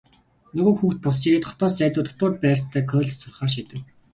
Нөгөө хүүхэд буцаж ирээд хотоос зайдуу дотуур байртай коллежид сурахаар шийдэв.